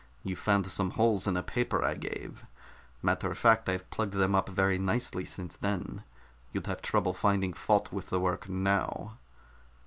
"You found some holes in a paper I gave. Matter of fact, I've plugged them up very nicely since then. You'd have trouble finding fault with the work now."